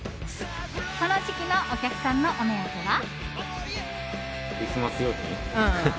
この時期のお客さんのお目当ては。